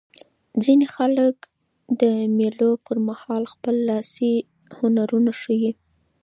ځیني خلک د مېلو پر مهال خپل لاسي هنرونه ښيي.